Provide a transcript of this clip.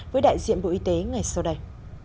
với đại diện bộ y tế ngày sau đây